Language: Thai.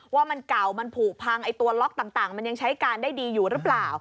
ว่ามันเก่ามันผูกพังตัวล็อกต่างมันยังใช้การได้ดีอยู่หรือเปล่า